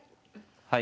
はい。